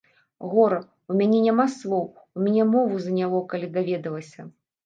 Гора, у мяне няма словаў, у мяне мову заняло, калі даведалася.